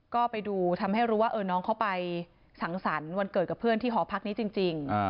ก็ไปดูทำให้รู้ว่าน้องเขาไปสังสรรค์วันเกิดกับเพื่อนที่หอพักนี้จริง